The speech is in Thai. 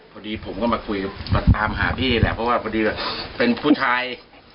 พอดีผมก็มาคุยตามหาพี่แหละเพราะว่าพอดีเป็นผู้ชาย